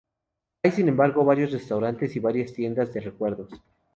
Hay, sin embargo, varios restaurantes y varias tiendas de recuerdos.